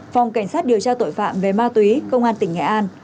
phòng cảnh sát điều tra tội phạm về ma túy công an tỉnh hà tĩnh